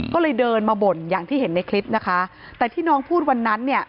ก็เลยเดินมาบ่นอย่างที่เห็นในคลิปนะคะแต่ที่น้องพูดวันนั้นเนี่ย